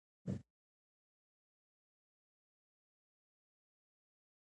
کتابونه ولولئ.